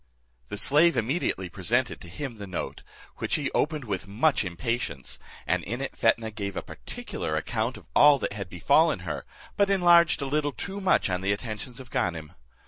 The slave immediately presented to him the note, which he opened with much impatience, and in it Fetnah gave a particular account of all that had befallen her, but enlarged a little too much on the attentions of Ganem.